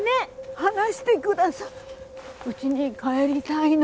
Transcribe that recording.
放してくださいうちに帰りたいの。